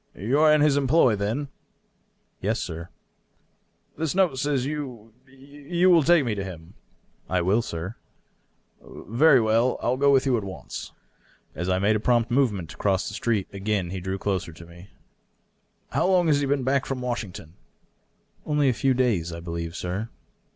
" You are in his employ, then ?" "Yes, sir." " This note says you — ^you will take me to him." 612 DOUGLAS DUANE. "IwUl, Sir." " Very well. I will go with you at once." As I made a prompt movement to cross the street again he drew closer to me. " How long has he been back from Washington ?" "Only a few days, I believe, sir."